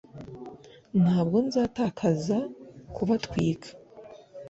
Ntabwo nzatakaza kubatwika